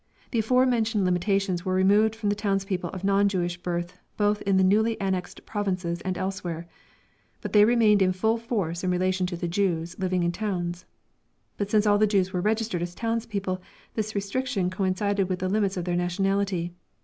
The afore mentioned limitations were removed from the townspeople of non Jewish birth both in the newly annexed provinces and elsewhere. But they remained in full force in relation to the Jews, living in towns. But since all the Jews were registered as townspeople, this restriction coincided with the limits of their nationality.